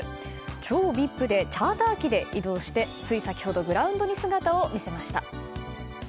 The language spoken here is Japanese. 超ＶＩＰでチャーター機で移動してつい先ほどグラウンドに姿を見せました。